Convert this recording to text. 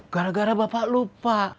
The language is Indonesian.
gara gara bapak lupa